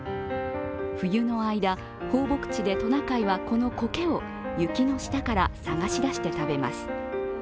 冬の間、放牧地でトナカイはこのこけを雪の下から探し出して食べます。